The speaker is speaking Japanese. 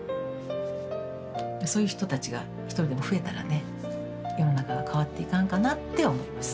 そういう人たちが一人でも増えたらね世の中が変わっていかんかなって思います。